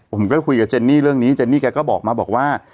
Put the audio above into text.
ผมก็คุยกับเจนนี่เรื่องนี้เจนนี่แกก็บอกมาบอกว่า